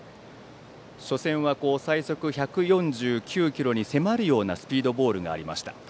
初戦は最速１４９キロに迫るようなスピードボールがありました。